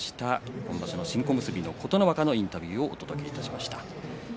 今場所の新小結の琴ノ若のインタビューをお届けしました。